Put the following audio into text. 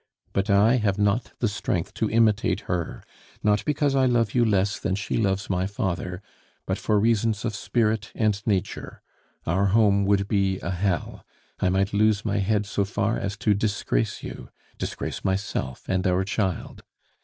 But I have not the strength to imitate her, not because I love you less than she loves my father, but for reasons of spirit and nature. Our home would be a hell; I might lose my head so far as to disgrace you disgrace myself and our child.